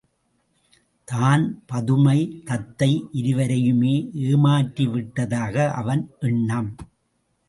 தான், பதுமை தத்தை இருவரையுமே ஏமாற்றிவிட்டதாக அவன் எண்ணம்.